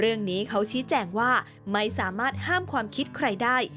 เรื่องนี้เขาชี้แจงว่าไม่สามารถห้ามความคิดใครได้